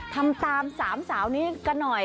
ทำตามสามสาวนี้กันหน่อย